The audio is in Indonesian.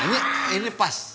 ini ini pas